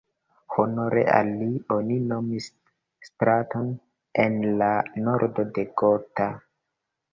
Honore al li oni nomis straton en la nordo de Gotha.